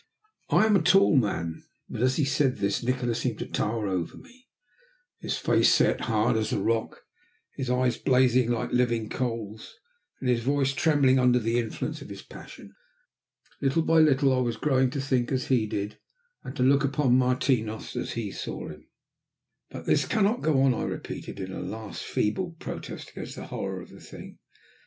I am a tall man, but as he said this Nikola seemed to tower over me, his face set hard as a rock, his eyes blazing like living coals, and his voice trembling under the influence of his passion. Little by little I was growing to think as he did, and to look upon Martinos as he saw him. "But this cannot go it cannot go on," I repeated, in a last feeble protest against the horror of the thing.